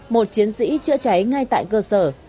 một chiến sĩ chữa cháy ngay tại cơ sở